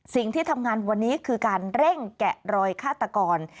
สิ่งที่ทำงานวันนี้คือการเร่งแกะรอยฆาตกร